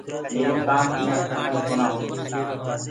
ميرو ڪآم اڃآ کتم ڪونآ هورو هي۔